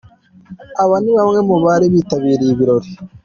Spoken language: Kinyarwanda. Aba ni bamwe mu bari bitabiriye ibirori.